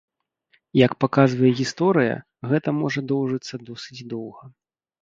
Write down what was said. Як паказвае гісторыя, гэта можа доўжыцца досыць доўга.